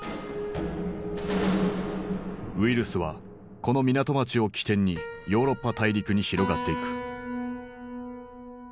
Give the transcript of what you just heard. ウイルスはこの港町を起点にヨーロッパ大陸に広がっていく。